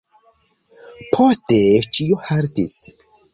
Poste ĉio haltis.